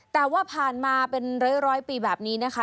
แต่ว่าผ่านมาเป็นร้อยปีแบบนี้นะคะ